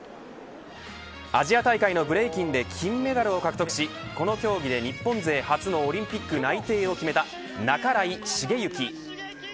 アジア大会のブレイキンで金メダルを獲得しこの競技で日本勢初のオリンピック内定を決めた半井重幸。